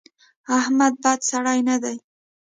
احمد بد سړی نه دی.